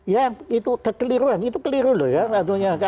ya itu kekeliruan itu keliru loh ya ratunya